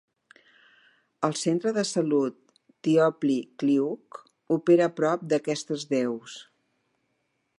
El Centre de Salut Tyoply Klyuch opera prop d'aquestes deus.